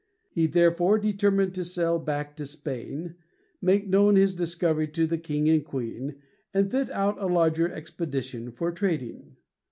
He therefore determined to sail back to Spain, make known his discovery to the king and queen, and fit out a larger expedition for trading.